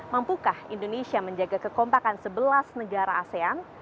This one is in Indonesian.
mampukah indonesia menjaga kekompakan sebelas negara asean